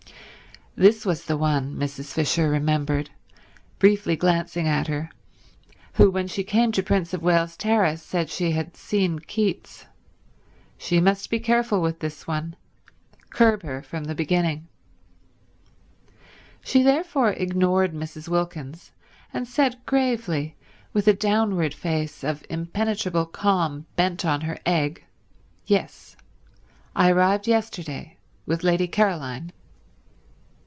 This was the one, Mrs. Fisher remembered, briefly glancing at her, who when she came to Prince of Wales Terrace said she had seen Keats. She must be careful with this one—curb her from the beginning. She therefore ignored Mrs. Wilkins and said gravely, with a downward face of impenetrable calm bent on her egg, "Yes. I arrived yesterday with Lady Caroline."